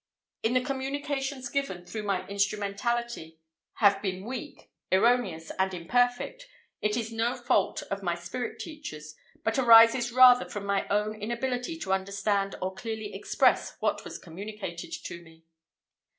If the communications given through my instrumentality have been weak, erroneous, and imperfect, it is no fault of my spirit teachers, but arises rather from my own inability to understand or clearly express what was communicated to me.